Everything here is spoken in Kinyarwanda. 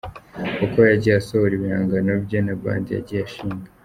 Uko yagiye asohora ibihangano bye na Band yagiye ashinga.